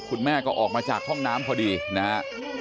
คุณแม่ก็ออกมาจากห้องน้ำพอดีนะฮะ